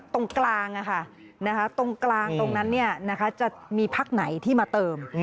ตรงกลางตรงนั้นจะมีพักไหนที่มาเติม